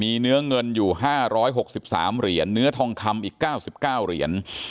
มีเนื้อเงินอยู่ห้าร้อยหกสิบสามเหรียญเนื้อทองคำอีกเก้าสิบเก้าเหรียญ